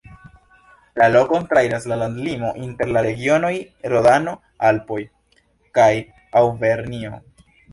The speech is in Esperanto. La lokon trairas la landlimo inter la regionoj Rodano-Alpoj kaj Aŭvernjo.